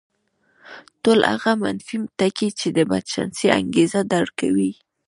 ټول هغه منفي ټکي چې د بدچانسۍ انګېزه درکوي.